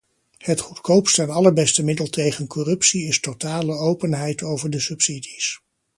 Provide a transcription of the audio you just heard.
Het goedkoopste en allerbeste middel tegen corruptie is totale openheid over de subsidies.